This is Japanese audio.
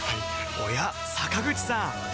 おや坂口さん